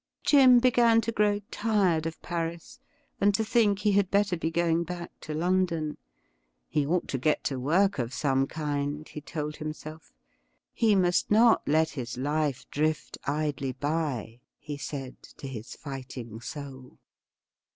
Jim began to grow tired of Paris, and to think he had better be going back to London. He ought to get to work of some kind, he told himself. He must not let his life drift idly by, he said to his fighting soul.